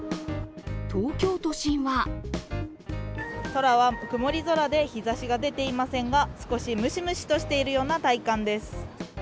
東京都心は空は曇り空で日ざしが出ていませんが、少しムシムシとしているような体感です。